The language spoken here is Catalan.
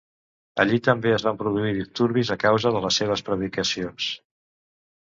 Allí també es van produir disturbis a causa de les seves predicacions.